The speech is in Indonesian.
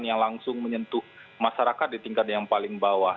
yang langsung menyentuh masyarakat di tingkat yang paling bawah